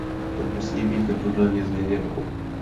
To musí být neprodleně změněno.